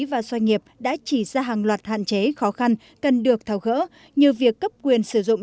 và doanh nghiệp đã chỉ ra hàng loạt hạn chế khó khăn cần được thảo gỡ như việc cấp quyền sử dụng